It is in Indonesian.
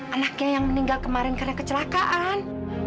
anaknya yang meninggal kemarin karena kecelakaan